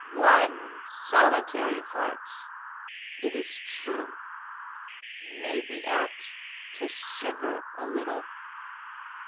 One solitary heart, it is true, may be apt to shiver a little.